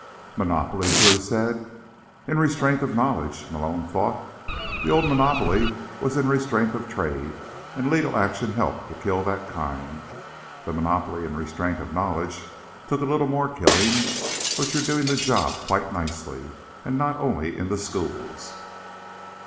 _ "Monopolies?" Lou said. In restraint of knowledge, Malone thought. _The old monopoly was in restraint of trade, and legal action helped to kill that kind. The monopoly in restraint of knowledge took a little more killing, but you're doing the job quite nicely. And not only in the schools.